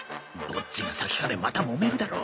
どっちが先かでまたもめるだろ。